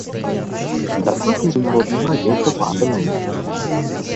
Доклад Международного агентства по атомной энергии.